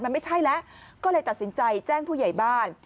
มันไม่ใช่แล้วก็เลยตัดสินใจแจ้งผู้ใหญ่บ้าน